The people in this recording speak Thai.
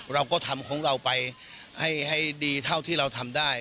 เราก็ทำของเราไปให้ดีเท่าที่เราทำได้